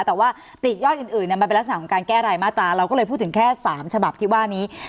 แต่ว่าปลีกยอดอื่นมันเป็นลักษณะของการแก้รายมาตราเราก็เลยพูดถึงแค่๓ฉบับที่ว่านี้